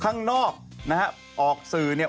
ข้างนอกนะฮะออกสื่อเนี่ย